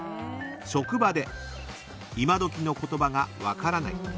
職場で今どきの言葉が分からない。